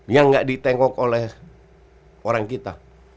yang gak ditengok oleh orang kita